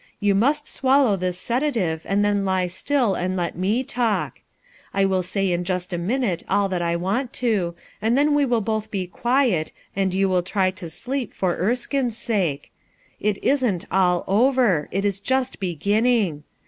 You must swallow this sedative and then lie still and let me talk, I will say in just a minute all I want to, and then we will both be quiet and you will try to sleep, for Erskine's sake. It isn't all over; it is just beginning.